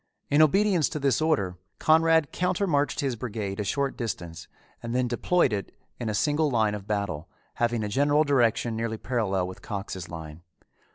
In obedience to this order Conrad counter marched his brigade a short distance and then deployed it in a single line of battle, having a general direction nearly parallel with Cox's line.